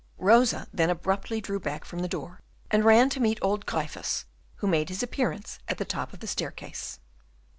Rosa then abruptly drew back from the door, and ran to meet old Gryphus, who made his appearance at the top of the staircase.